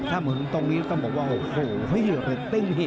ถ้าเหมือนตรงนี้ต้องบอกว่าโอ้โหเฮ้ยเร็ดติ้ง